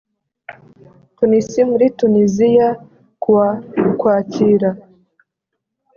tunis muri tuniziya ku wa ukwakira